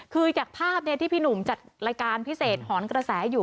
คือจากภาพที่พี่หนุ่มจัดรายการพิเศษหอนกระแสอยู่